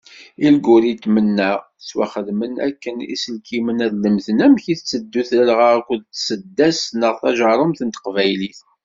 Ilguritmen-a, ttwaxedmen akken iselkimen ad lemden amek tetteddu telɣa akked tseddast neɣ tajerrumt n teqbaylit.